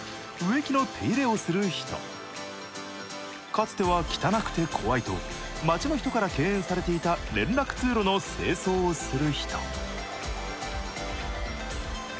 かつては汚くて怖いと街の人から敬遠されていた連絡通路の清掃をする人。